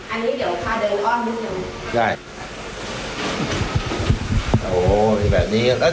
อันนี้เดี๋ยวพาเดินอ้อนลุงอย่างหนึ่ง